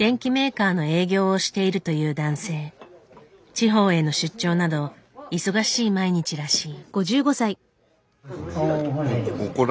地方への出張など忙しい毎日らしい。